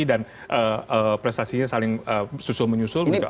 dan prestasinya saling susul menyusul